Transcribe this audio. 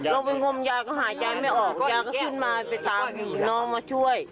ลงไปงมยาก็หายใจไม่ออกยาก็ขึ้นมาไปตามน้องมาช่วย